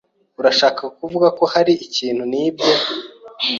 Urashaka kuvuga ko hari ikintu nibye?